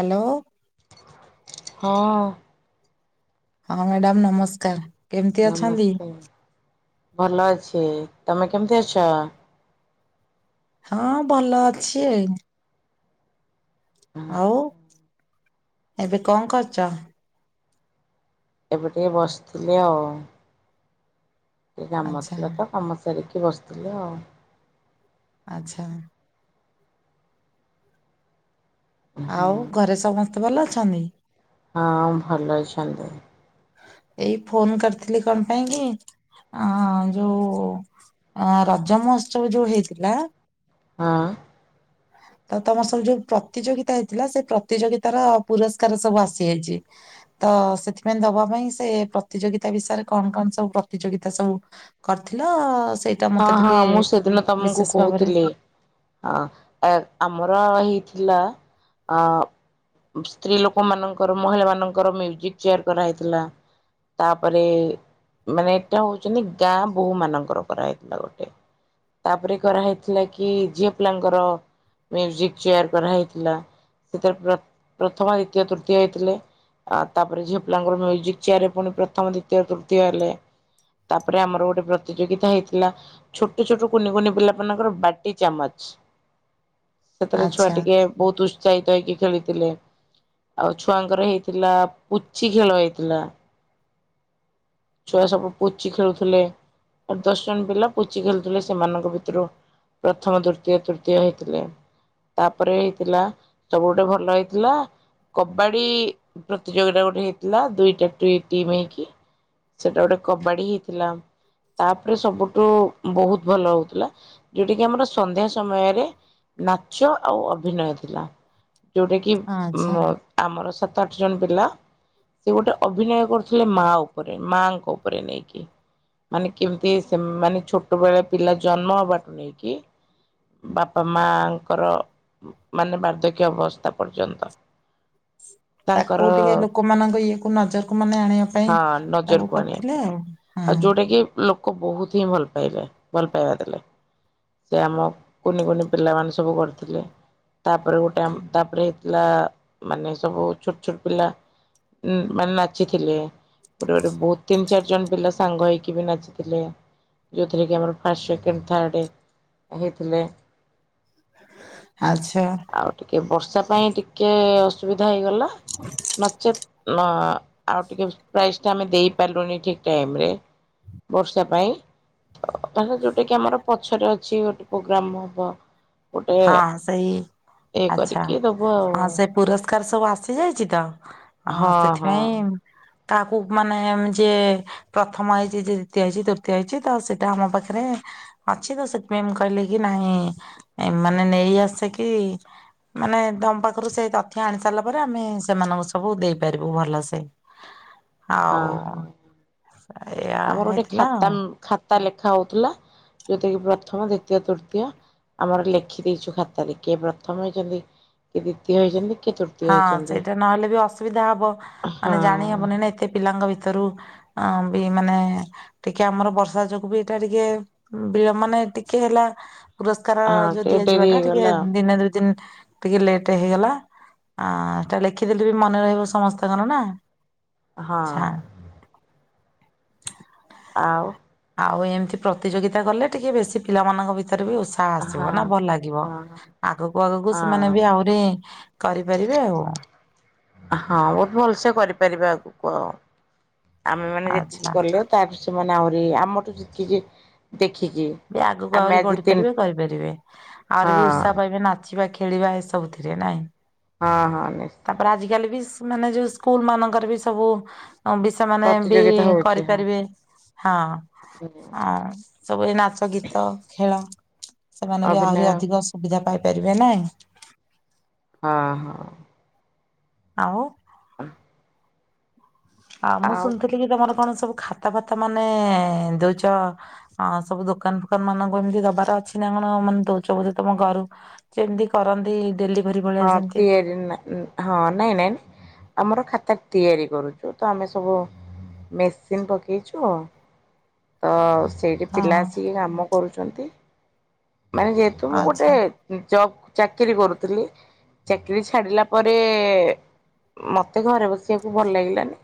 Hello. ହଁ। ହଁ madam ନମସ୍କାର୍। ନମସ୍କାର ଭଲ ଅଛି। ତମେ କେମିତି ଅଛ? ହଁ ଭଲ ଅଛି। ଆଉ ଏବେ କଣ୍ କରୁଚ? ଏବେ ଟିକେ ବସିଥିଲି ଆଉ। ଟିକେ କାମ ଆଚ୍ଛା ଥିଲା ତ କାମ ସାରିକି ବସିଥିଲି ଆଉ। ଆଚ୍ଛା। ହଁ ଆଉ ଘରେ ସମସ୍ତେ ଭଲ ଅଛନ୍ତି? ହଁ ଭଲ ଅଛନ୍ତି ଏଇ ଫୋନ କରିଥିଲି କଣ ପାଇଁ କି ଆ- ଯଉ ଆ-ରଜ ମହୋତ୍ସବ ଯଉ ହେଇଥିଲା ହଁ। ତ ତମ ସବୁ ଯଉ ପ୍ରତିଯୋଗିତା ହେଇଥିଲା ସେ ପ୍ରତିଯୋଗିତାର ପୁରସ୍କାର ସବୁ ଆସିଯାଇଚି। ତ ସେଥିପାଇଁ ଦବା ପାଇଁ ସେ ପ୍ରତିଯୋଗିତା ବିଷୟରେ କଣ କଣ ସବୁ ପ୍ରତିଯୋଗିତା ସବୁ କରିଥିଲ ସେଇ ହଁ -ହଁ ମୁଁ ସେଦିନ ତମକୁ କହୁଥିଲି। ଅ- ଏ-ଆମର ହେଇଥିଲା ଅ ସ୍ତ୍ରୀ ଲୋକ ମାନଙ୍କର ମହିଳା ମାନଙ୍କର ମ୍ୟୁଜିକ ଚେୟାର କରାହେଇଥିଲା। ତାପରେ ମାନେ ଏଟା ହଉଚନ୍ତି ଗାଁ ବୋହୂ ମାନଙ୍କର କରାହାଇଏ। ଗୋଟେ ତାପରେ କରାହେଇଥିଲା କି ଝିଅ ପିଲାଙ୍କର ମ୍ୟୁଜିକ ଚେୟାର କରା ହେଇଥିଲା ସେଥିରେ ପ୍ର ପ୍ରଥମ ଦ୍ଵିତୀୟ ତୃତୀୟ ହେଇଥିଲେ। ଆ ତାପରେ ଝିଅପିଲାଙ୍କର ମ୍ୟୁଜିକ୍ ଚେୟାର ରେ ପୁଣି ପ୍ରଥମ ଦିତୀୟ ତୃତୀୟ ହେଲେ। ତାପରେ ଆମର ଗୋଟେ ପ୍ରତିଯୋଗିତା ହେଇଥିଲା। ଲା ଛୋଟ ଛୋଟ କୁନି କୁନି ପିଲା ମାନଙ୍କର ବାଟି ଚାମଚ। ସେଥିରେ ଛୁଆ ଆଚ୍ଛା ଟିକେ ବହୁତ ଉତ୍ସାହିତ ହେଇକି ଖେଳିଥିଲେ। ଆଉ ଛୁଆଙ୍କର ହେଇଥିଲା ପୁଚି ଖେଳ ହେଇଥିଲା। ଛୁଆ ସବୁ ପୁଚି ଖେଳୁଥିଲେ। ଆ ଦଶ ଜଣ ପିଲା ପୁଚି ଖେଳୁଥିଲେ ସେମାନଙ୍କ ଭିତରୁ ପ୍ରଥମ ଦୃତୀୟ ତୃତୀୟ ହେଇଥିଲେ। ତାପରେ ହେଇଥିଲା ସବୁ ଗଟେ ଭଲ ହେଇଥିଲା କବାଡି ପ୍ରତିଯୋଗିତା ଗୋଟେ ହେଇଥିଲା ଦୁଇଟା ଟ ଟିମ୍ ହେଇକି। ସେଟା ଗୋଟେ କବାଡି ହେଇଥିଲା ତାପରେ ସବୁଠୁ ବହୁତ ଭଲ ହଉଥିଲା ଯୋଉଟା କିି ଆମର ସନ୍ଧ୍ୟା ସମୟରେ ନାଚ ଆଉ ଅଭିନୟ ଥିଲା ଯୋଉଟା କିି ଉ ଆଚ୍ଛା ଆମର ସାତ-ଆଠ ଜଣ ପିଲା ସେ ଗୋଟେ ଅଭିନୟ କରୁଥିଲେ ମା ଉପରେ ମାଆଙ୍କ ଉପରେ ନେଇକି ମାନେ କେମିତି ସେମାନେ ଛୋଟ ବେଳେ ପିଲା ଜନ୍ମ ହବାଠୁ ନେଇକି ବାପା ମାଙ୍କର ମାନେ ବାର୍ଦ୍ଧକ୍ୟ ଅବସ୍ଥା ପର୍ଯ୍ୟନ୍ତ ତାଙ୍କର ତାକୁ ଟିକେ ଲୋକମାନଙ୍କ ଇଏ କୁ ନଜରକୁ ମାନେ ଆଣିବା ପାଇଁ ହଁ ତାକୁ କରିଥିଲେ ଆଉ ଟିକି ଲୋକ ବହୁତ ହିଁ ଭଲପାଇଲେ ଭଲପାଇବା ଦେଲେ। ସେ ଆମ କୁନିକୁନି ପିଲାମାନେ ସବୁ କରିଥିଲେ। ତାପରେ ଗୋଟେ ଆମ ତାପରେ ହେଇଥିଲା ମାନେ ସବୁ ଛୋଟଛୋଟ ପିଲା ଉଁ ମାନେ ନାଚିଥିଲେ ପରେ ବୁଥ୍ ତିନି ଚାରି ଜଣ ପିଲା ସାଙ୍ଗ ହେଇକି ବି ନାଚିଥିଲେ ଯେଉଁଥିରେ କି ଆମର ଫାଷ୍ଟ, ସେକେଣ୍ଡ, ଥାର୍ଡ ହେଇଥିଲେ। ଆଛା ଆଉ ଟିକେ ବର୍ଷା ପାଇଁ ଟିକେ ଅସୁବିଧା ହେଇଗଲା ନଚେତ୍ ମା ଆଉ ଟିକେ ବେଷ୍ଟ ପ୍ରାଇସ୍ ଟା ଆମେ ଦେଇପାରିଲୁନି ଠିକ ଟାଇମ ରେ ବର୍ଷା ପାଇଁ ତା ଯୋଉଟା କି ଆମର ପଛରେ ଅଛି ଗୋଟେ ପ୍ରୋଗ୍ରାମ ହବ। ଗୋଟେ ହଁ ସେଇ ଇଏ ଆଚ୍ଛା କରିକି ଦବୁ ଆଉ ହଁ ସେ ପୁରସ୍କାର ସବୁ ଆସିଯାଇଛି ତ ଆ ହଁ ହଁ। ସେଥିପାଇଁ ତାକୁ ମାନେ ଯେ ପ୍ରଥମ ହେଇଛି ଯେ ଦ୍ଵିତୀୟ ହେଇଛି ତୃତୀୟ ହେଇଛି ତ ସେଇଟା ଆମ ପାଖରେ ଅଛି ତ ସେଥିପାଇଁ ମୁ କହିଲେ କି ନାଇଁ ମାନେ ନେଇ ଆସେ କି ମାନେ ତମ ପାଖରୁ ସେଇ ତଥ୍ୟ ଆଣି ସାରିଲା ପରେ ଆମେ ସେମାନଙ୍କୁ ସବୁ ଦେଇପାରିବୁ ଭଲ ସେ ହଁ ଆଉ ହଁ ଏଇୟଆ ହେଇଥିଲା ଆଉ ତା ଲେଖା ହଉଥିଲା ଯୋଉଟା କିି ପ୍ରଥମ ଦ୍ଵିତୀୟ ତୃତୀୟ ଆମର ଲେଖି ଦେଇଛୁ ଖାତାରେ କିଏ ପ୍ରଥମ ହେଇଛନ୍ତି କିଏ ଦ୍ଵିତୀୟ ହେଇଛନ୍ତି କିଏ ତୃତୀୟ ହଁ ହେଇଛନ୍ତି ସେଇଟା ନହେଲେ ବି ଅସୁବିଧା ହବ ହଁ ମାନେ ଜାଣି ହବନି ନା ଏତେ ପିଲାଙ୍କ ଭିତରୁ ଅଁ ବି ମାନେ ଟିକେ ଆମର ବର୍ଷା ଯୋଗୁ ବି ଏଇଟା ଟିକେ ବିଳ ମାନେ ଏତିକି ହେଲା ପୁରସ୍କାର ହଁ ଯ ଟିକେ ଦିଆଯିବା ଡେରି ଟା ଟିକେ ହେଇଗଲା ଦିନେ ଦୁଇ ଦିନ ଟିକେ ଲେଟ ହେଇଗଲା ଆ ସେଟା ଲେଖିଦେଲେ ବି ମନେ ରହିବ ସମସ୍ତଙ୍କର ନା। ହଁ। ଆଉ। ଆଉ ଏମତି ପ୍ରତିଯୋଗିତା କଲେ ଟିକେ ବେଶୀ ପିଲାମାନଙ୍କ ଭିତରେ ବି ଉ ତ୍ସାହ ହଁ ଆସିବ ନା ଭଲ ଲାଗିବ ହଁ ଆଗକୁ ଆଗକୁ ସେମାନେ ହଁ ବି ଆହୁ ରି କରିପାରିବେ ଆଉ। ହଁ ବହୁତ୍ ଭଲସେ କରିପାରିବା ଆଗୁକୁ ଆଉ ଆମେ ମାନେ ଆଚ୍ଛା। ଯେତିକି କଲେ। ତାପରେ ସେମାନେ ଆହୁରି ଆମଠୁ ଯେତିକି ଦେଖିକି। ବି ଆଗକୁ ଆମେ ଆହୁରି ଆଜି ତିନି ବଢିପାରିବେ କରିପାରିବେ ହଁ ଆହୁରି ବି ଉତ୍ସା ପାଇବେ ନା ଯିବା ଖେଳିବା ଏସବୁଥିରେ ନାଇଁ। ହଁ ହଁ ନି ତାପରେ ଆଜିକାଲି ବି ସ ମାନେ ଯୋଉ ସ୍କୁଲ ମାନଙ୍କର ବି ସବୁ ବି ସେମାନେ ବି ପ୍ରତିଯୋଗିତା ହଉଛି ହଁ କରିପାରିବେ। ହଁ ଅଂ ସବୁ ଏଇ ନାଚ ଗୀତ ଖେଳ। ସେମାନେ ବି ଅଭିନୟ ଆହୁରି ଅଧିକ ସୁବିଧା ପାଇପାରିବେ ନାଇଁ। ହଁ ହଁ। ଆଉ। [unintelligible] ଆଉ ମୁଁ ଶୁଣିଥିଲି କି ତମର କଣ ସବୁ ଖାତା ଫାତା ମାନେ ଦଉଚ। ହଁ ସବୁ ଦୋକାନ ଫୋକାନ ମାନଙ୍କୁ ଏମିତି ଦବାର ଅଛି ନା କଣ ମାନେ ଦଉଛ ବୋଧେ ତମ ଘରୁ। ଯେମତି କରନ୍ତି ଡେଲି ହଁ ତିଆରି ନା ଉଁ। ହଁ ନାଇଁ ନାଇଁ ଆମର ଖାତା ତିଆରି କରୁଚୁ ତ ଆମେ ସବୁ। ମେସିନ ପକେଇଛୁ ଅ। ତ ସେଇଠି ହଁ ପିଲା ଆସିକି କାମ କରୁଛନ୍ତି ମାନେ ଯେହେତୁ ମୁଁ ଆଚ୍ଛା। ଗୋଟେ। ଜବ୍ ଚାକିରୀ କରୁଥିଲି ଚାକିରୀ ଛାଡିଲା ପରେ। ମତେ ଘରେ ବସିବାକୁ ଭଲ ଲାଗିଲାନି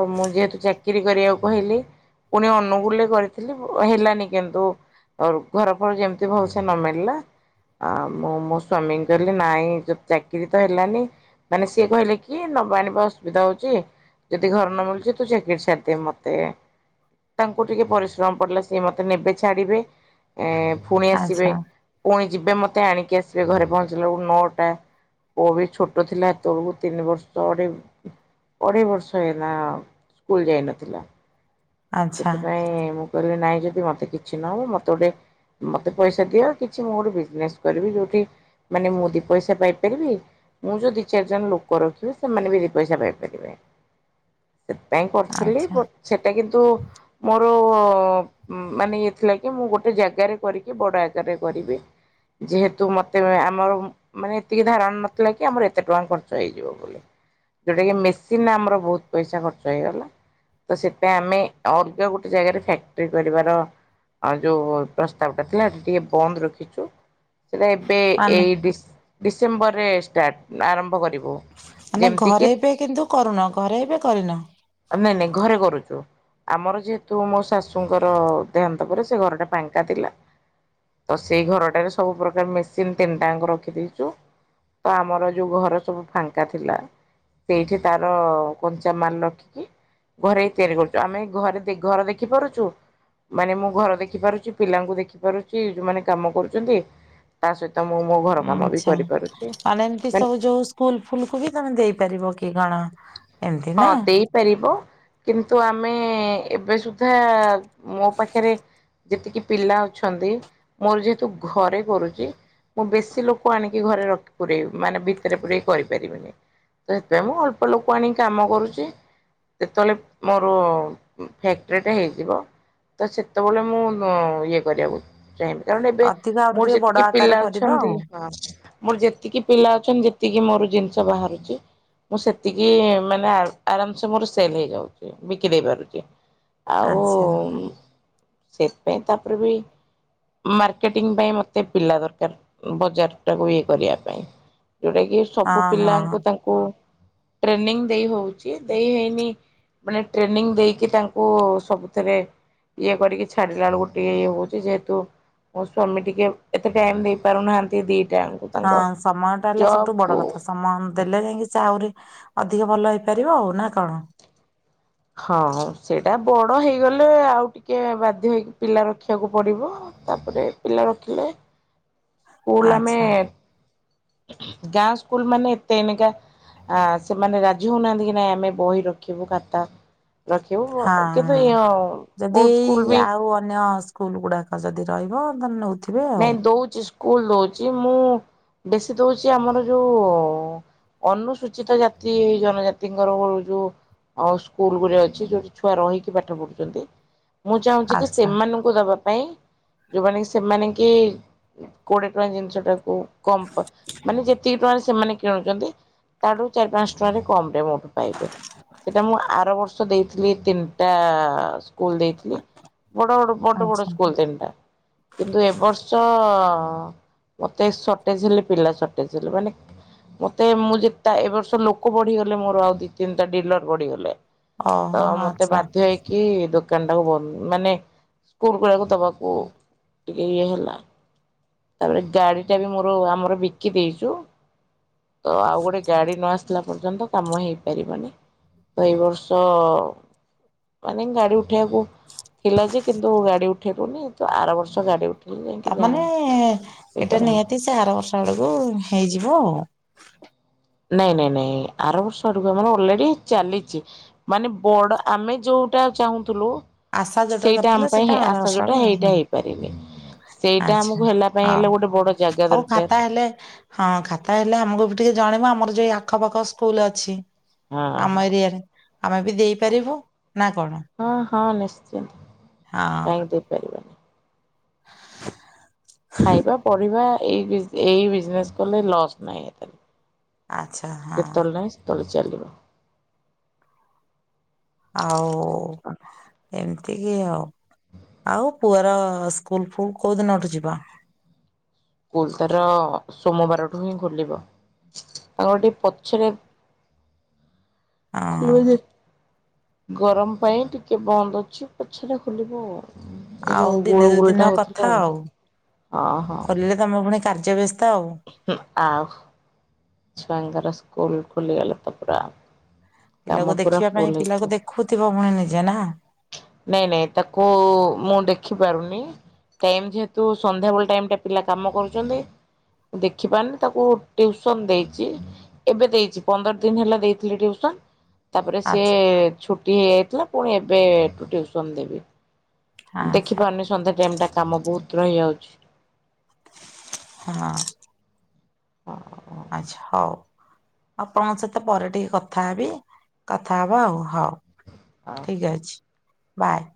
ତ ମୁଁ ଯେହେତୁ ଚାକିରି କରିବାକୁ କହିଲି। ପୁଣି ଅନୁଗୁଳୁ ରେ କରିଥିଲି ହେଲାନି କିନ୍ତୁ। ଅରୁ ଘର ଫର ଯେମତି ଭଲସେ ନ ମଳିଲା। ଆ ମୁଁ ମୋ ସ୍ଵାମୀଙ୍କି କହିଲି ନାଇଁ ଚାକିରି ତ ହେଲାନି। ମାନେ ସିଏ କହିଲେ କି ନବା ଆଣିବା ଅସୁବିଧା ହଉଚି। ଯଦି ଘର ନ ମିଳୁଚି ତୁ ଚାକିରି ଚାଡ଼ିଦେ ମତେ। ତାଙ୍କୁ ଟିକେ ପରିଶ୍ରମ ପଡିଲା ସିଏ ମତେ ନେବେ ଛାଡିବେ ଏ ଫୁଣି ଆସିବେ। ଆଚ୍ଛା ପୁଣି ଯିବେ ମତେ ଆଣିକି ଆସିବେ ଘରେ ପହଞ୍ଚିଲା ବଳୁକୁ ନଅଟା। ପୁଅ ବି ଛୋଟ ଥିଲା ହେତବଳକୁ ତିନି ବର୍ଷ ଅଢେ ଅଢ଼େଇ ବର୍ଷ ହେଲା ସ୍କୁଲ ଯାଇନଥିଲା। ଆଚ୍ଛା ସେଥିପାଇଁ ମୁଁ କହିଲି ନାଇଁ ଯଦି ମତେ କିଛି ନହବ ମତେ ଗୋଟେ। ମତେ ପଇସା ଦିଅ କିଛି ମୁଁ ଗୋଟେ ବିଜନେସ କରିବି ଯୋଉଠି। ମାନେ ମୁଁ ଦି ପଇସା ପାଇପାରିବି। ମୁଁ ଯୋଉ ଦି ଚାରି ଜଣ ଲୋକ ରଖିବି ସେମାନେ ବି ଦି ପଇସା ପାଇପାରିବେ। [inaudible] ସେଥିପାଇଁ କରୁଥିଲି ଆଚ୍ଛା ବ ସେଟା କିନ୍ତୁ। ମୋର ମାନେ ଇଏ ଥିଲା କି ମୁଁ ଗୋଟେ ଜାଗାରେ କରିକି ବଡ ଆକାରରେ କରିବି। ଯେହେତୁ ମତେ ଆମର। ମାନେ ହେତିକି ଧାରଣା ନଥିଲା କି ଆମର ଏତେ ଟଙ୍କା ଖର୍ଚ୍ଚ ହେଇଯିବ ବୋଲି। ଯଉଟା କିି ମେସିନରେ ଆମର ବହୁତ ପଇସା ଖର୍ଚ୍ଚ ହେଇଗଲା। ତ ସେଥିପାଇଁ ଆମେ ଅଲଗା ଗୋଟେ ଜାଗାରେ ଫ୍ୟାକ୍ଟ୍ରି କରିବାର ଆଉ ଯୋଉ ପ୍ରସ୍ତାବ ଟା ଥିଲା ଟିକେ ବନ୍ଦ ରଖିଛୁ। ସେଇଟା ଏବେ ମାନେ ଏଇ ଡିସେମ୍ବରରେ ଷ୍ଟାର୍ଟ ଆରମ୍ଭ କରିବୁ। ମାନେ ଯେମିତି କିି ଘରେ ଏବେ କିନ୍ତୁ କରୁନ ଘରେ ଏବେ କରିନ। ନାଇଁ, ନାଇଁ ଘରେ କରୁଛୁ। ଆମର ଯେହେତୁ ମୋ ଶାଶୁଙ୍କର ଦେହାନ୍ତ ପରେ ସେ ଘରଟା ଫାଙ୍କା ଥିଲା। ତ ସେଇ ଘରଟାରେ ସବୁ ପ୍ରକାର ମେସିନ ତିନିଟାଙ୍କ ରଖିଦେଇଛୁ। ତ ଆମର ଯୋଉ ଘର ସବୁ ଫାଙ୍କା ଥିଲା। ସେଇଠି ତାର କଞ୍ଚା ମାଲ ରଖିକି ଘରେ ତିଆରି କରୁଛୁ। ଆମେ ଘରେ ଘର ଦେଖି ପାରୁଛୁ? ମାନେ ମୁଁ ଘର ଦେଖି ପାରୁଛି, ପିଲାଙ୍କୁ ଦେଖି ପାରୁଛି, ଯୋଉମାନେ କାମ କରୁଛନ୍ତି। ତା ସହିତ ମୁଁ ମୋ ଘର କାମ ବି ଆଚ୍ଛା କରିପାରୁଛି। ମାନେ ଫୁଲ, ଫୁଲ କୁ ବି ତମେ ଦେଇପାରିବ କି କଣ? ଏମିତି ହଁ ନା ଦେଇପାରିବ କିନ୍ତୁ ଆମେ ଏବେ ସୁଦ୍ଧା ମୋ ପାଖରେ ଯେତିକି ପିଲା ଅଛନ୍ତି, ମୋର ଯେହେତୁ ଘରେ କରୁଛି। ମୁଁ ବେଶୀ ଲୋକ ଆଣିକି ଘରେ ରଖି ପୁରେଇ ମାନେ ଭିତରେ ପୁରେଇ କରିପାରିବିନି। ତ ସେଥିପାଇଁ ମୁଁ ଅଳ୍ପ ଲୋକ ଆଣି କାମ କରୁଛି। ଯେତେବେଳେ ମୋର ଫ୍ୟାକ୍ଟ୍ରିଟା ହେଇଯିବ ତ ସେତେବେଳେ ମୁଁ ଇଏ କରିବାକୁ ଚାହିଁବି, କାରଣ ଏବେ ଅଧିକ ଆହୁରି ମୋର ଟିକେ ବଡ ଯେତିକି ଆକାରରେ ପିଲା କରିବ ଅଛନ୍ତି ଆଉ ହଁ ମୋର ଯେତିକି ପିଲା ଅଛନ୍ତି। ଯେତିକି ମୋର ଜିନିଷ ବାହାରୁଛି, ମୁଁ ସେତିକି ମାନେ ଆରାମସେ ମୋର ସେଲ ହେଇଯାଉଛି। ବିକ୍ରି ହେଇ ପାରୁଛି। ଆଉ ଆଚ୍ଛା। ସେଥିପାଇଁ ତାପରେ ବି ମାର୍କେଟିଂ ପାଇଁ ମତେ ପିଲା ଦରକାର, ବଜାର ଟାକୁ ଇଏ କରିବା ପାଇଁ ଯୋଉଟା କିି ସବୁ ହଁ ହଁ ପିଲାଙ୍କୁ ତାଙ୍କୁ ଟ୍ରେନିଂ ଦେଇ ହଉଛି। ଦେଇ ହେଇନି ମାନେ ଟ୍ରେନିଂ ଦେଇକି ତାଙ୍କୁ ସବୁଥିରେ ଇଏ କରିକି ଛାଡିଲା ବେଳକୁ ଟିକେ ଇଏ ହଉଛି, ଯେହେତୁ ମୋ ସ୍ଵାମୀ ଟିକେ ଏତେ ଟାଇମ ଦେଇ ପାରୁନାହାନ୍ତି। ଦି ହଁ ସମୟ ଟା ହେଲା ସବୁଠୁ ବଡ କୁ କଥା। [unintelligible] ମାନ ଦେଲେ ଯାଇଁକି ଆହୁରି ଅଧିକ ଭଲ ହେଇପାରିବ ଆଉ ନା କଣ? ହଁ, ସେଇଟା ବଡ ହେଇଗଲେ ଆଉ ଟିକେ ବାଧ୍ୟ ହେଇକି ପିଲା ରଖିବାକୁ ପଡିବ। ତାପରେ ପିଲା ରଖିଲେ ହ ସ୍କୁଲ ଆମେ ଗାଁ ସ୍କୁଲ ମାନେ ଏତେ ଏନକା ଆ ସେମାନେ ରାଜି ହଉନାହାନ୍ତି କି ନାଇଁ ଆମେ ବହି ରଖିବୁ, ଖାତା ରଖିବୁ ହଁ, କିନ୍ତୁ ହଁ ଯଦି ବହୁତ ସ୍କୁଲ ଏଇ ବି ଆଉ ଅନ୍ୟ ସ୍କୁଲ ଗୁଡାକ ଯଦି ରହିବ। ଅର୍ଧ ନେଉଥିବ ନାଇଁ ଦଉଛି, ସ୍କୁଲ ଦଉଛି, ମୁଁ ବେଶୀ ଦଉଛି ଆମର ଯୋଉ ଅନୁସୂଚିତ ଜାତି, ଜନଜାତିଙ୍କର ଯୋଉ ଆଉ ସ୍କୁଲକୁ ଯାଉଚି, ଯୋଉଠି ଛୁଆ ରହିକି ପାଠ ପଢୁଛନ୍ତି। ମୁଁ ଚାହୁଁଛି କି ଆଚ୍ଛା ସେମାନଙ୍କୁ ଦବା ପାଇଁ, ଯୋଉଁମାନେ ସେମାନେ କି କୋଡ଼େ ଟଙ୍କା ଜିନିଷଟାକୁ କମ୍ ମାନେ ଯେତିକି ଟଙ୍କାରେ ସେମାନେ କିଣୁଛନ୍ତି ତାଠୁ ଚାରି ପାଞ୍ଚ ଟଙ୍କାରେ କମ ରେ ମୋଠୁ ପାଇବେ, ସେଇଟା ମୁଁ ଆର ବର୍ଷ ସ ଦେଇଥିଲି ତିନଟା ସ୍କୁଲ ଦେଇଥିଲି। ବଡ ବଡ ବଡ ବଡ ଆଚ୍ଛା ସ୍କୁଲ ତିନିଟା। କିନ୍ତୁ ଏଇ ବର୍ଷ ମତେ ସଟେଜ ହେଲେ, ପିଲା ସଟେଜ ହେଲେ, ମାନେ ମତେ ମୁଁ ଯେତେ ଏବ ବର୍ଷ ଲୋକ ବଢିଗଲେ ମୋର, ଆଉ ଦି ତିନିଟା ଡିଲର ବଢିଗଲେ। ତ ଓହୋ ମତେ ଆଚ୍ଛା ବାଧ୍ୟ ହେଇକି ଦୋ କାନଟାକୁ ବନ୍ଧ, ମାନେ ସ୍କୁଲ ଗୁଡାକୁ ଦବାକୁ ଟିକେ ଇଏ ହେଲା। ତାପରେ ଗାଡିଟା ବି ମୋର ଆମର ବିକି ଦେଇଛୁ। ତ ଆଉ ଗୋଟେ ଗାଡି ନ ଆସି ଲା ପର୍ଯ୍ୟନ୍ତ କାମ ହେଇପାରିବନି। ତ ଏଇ ବର୍ଷ ମାନେ ଗାଡି ଉଠେଇବାକୁ ଥିଲା ଯେ, କିନ୍ତୁ ଗାଡି ଉଠେଇଲୁନି, ତ ଆର ବର୍ଷ ଗାଡି ଉଠେଇ ତା ମାନେ ଏଟା ନିହାତି ସେ ଆର ବର୍ଷ ଆଡକୁ ହେଇଯିବ ଆଉ। ନାଇଁ ନାଇଁ ନାଇଁ ଆର ବର୍ଷ ଆଡକୁ ଆମର ଅଲରେଡି ଚାଲିଛି। ମାନେ ବଡ ଆମେ ଯୋଉଟା ଚାହୁଁଥିଲୁ ଆଶା ଯୋଉଟା ସେଇଟା କରିଥିଲା ଆମ ସେଟା ପାଇଁ ଆର ଆଶା ବର୍ଷ ଆଡୁ ଯୋଉଟା, ଆଉ ହଁ ହେଇଟା ହେଇପାରିନି। ସେଇଟା ଆଚ୍ଛା ଆମକୁ ହେଲା ପାଇଁ ହଉ ହେଲେ, ଗୋଟେ ବଡ ଜାଗା ହଉ ଖାତା ଦରକାର। ହେଲେ ହଁ ଖାତା ହେଲେ ଆମକୁ ବି ଟିକେ ଜଣେଇବ, ଆମର ଯୋଉ ଏଇ ଆଖପାଖ ସ୍କୁଲ ଅଛି। ହଁ ଆମ ହଁ ଏରିଆରେ, ଆମେ ବି ଦେଇପାରିବୁ। ନା କଣ? ହଁ ହଁ ନିଶ୍ଚିନ୍ତ। ହଁ କାହିଁକି ଦେଇପାରିବୁନି? ଖାଇବା ପଢ଼ିବା, ଏଇ ବିଜ୍ ଏଇ ବିଜନେସ୍ କଲେ ଲସ୍ ନାହିଁ ଏତେ। ଆଚ୍ଛା ହଁ। ଯେତେବେଳେ ନାହିଁ ସେତବେଳେ ଚାଲିବ। ଆଉ ଏମିତି କି ଆଉ। ଆଉ ପୁଅର ସ୍କୁଲ ଫୁଲ କୋଉ ଦିନଠୁ ଯିବ? ସ୍କୁଲ ତାର ସୋମବାରଠୁ ହିଁ ଖୋଲିବ। ତାଙ୍କର ସେଠି ପଛରେ ହଁ ଖୋଲିବ ଯେ, ଗରମ ପାଇଁ ଟିକେ ବନ୍ଦ ଅଛି, ପଛରେ ଖୋଲିବ ଆଉ। ଏଇ ଆଉ ଯୋଉ ଦିନେ ଦୁଇ ଗୁଳୁଗୁଳି ଦିନ ଟା କଥା ହେଇଥିଲା ଆଉ। ଅ ହଁ। ଖୋଲିଲେ ତମେ ପୁଣି କାର୍ଯ୍ୟ ବ୍ୟସ୍ତ ଆଉ। ହୁଁ ଆଉ। ଛୁଆଙ୍କର ସ୍କୁଲ ଖୋଲିଗଲେ ତ ପୁରା ପିଲାକୁ କାମ ପୁରା ଦେଖିବା ଫୁଲ ପାଇଁ, ହେଇଯିବ। ପିଲାକୁ ଦେଖୁଥିବ ପୁଣି ନିଜେ ନା। ନାଇଁ ନାଇଁ ତାକୁ ମୁଁ ଦେଖି ପାରୁନି। ଟାଇମ ଯେହେତୁ, ସନ୍ଧ୍ୟାବେଳ ଟାଇମ ଟା ପିଲା କାମ କରୁଛନ୍ତି। ଦେଖିପାରୁନି ତାକୁ ଟିଉ ସନ୍ ଦେଇଛି। ଏବେ ଦେଇଛି, ପନ୍ଦର ଦିନ ହେଲା ଦେଇଥିଲି ଟିଉସନ୍। ତାପରେ ସିଏ ଆଚ୍ଛା ଛୁଟି ହେଇଯାଇଥିଲା, ପୁଣି ଏବେଠୁ ଟିଉସନ୍ ଦେବି। ଆଚ୍ଛା ଦେଖିପାରୁନି, ସନ୍ଧ୍ୟା ଟାଇମ ଟା କାମ ବହୁତ ରହିଯାଉଛି। ହଁ। ହଁ। ଆଚ୍ଛା ହଉ। ଆପଣଙ୍କ ସହିତ ପରେ ଟିକେ କଥା ହେବି। କଥା ହବା ଆଉ, ହଉ। ହଁ ଠିକ୍ ଅଛି। ବାଏ।